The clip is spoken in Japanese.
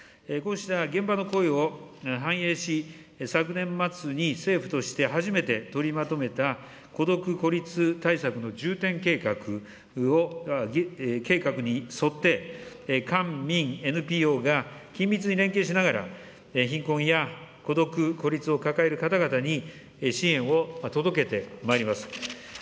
こうした現場の声を反映し、昨年末に政府として初めて取りまとめた孤独、孤立対策の重点計画に沿って、官、民、ＮＰＯが、緊密に連携しながら、貧困や孤独、孤立を抱える方々に支援を届けてまいります。